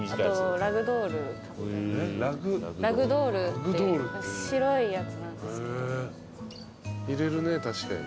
ラグドールって白いやつなんですけど。